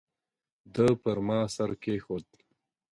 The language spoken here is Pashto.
ده پر ما سر کېښود.